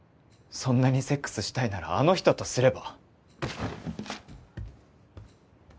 そんなにセックスしたいならあの人とすれば？